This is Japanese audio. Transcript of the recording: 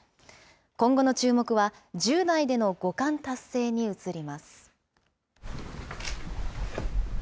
今後の注目は、１０代での五冠達成に移ります。